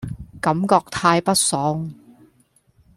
感覺太不爽